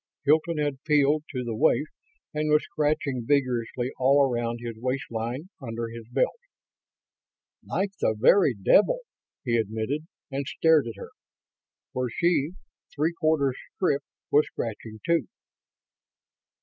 Hilton had peeled to the waist and was scratching vigorously all around his waistline, under his belt. "Like the very devil," he admitted, and stared at her. For she, three quarters stripped, was scratching, too!